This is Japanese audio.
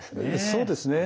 そうですね。